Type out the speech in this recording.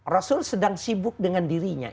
rasul sedang sibuk dengan dirinya